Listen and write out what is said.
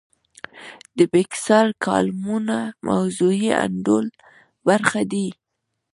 د بېکسیار کالمونه موضوعي انډول برخه دي.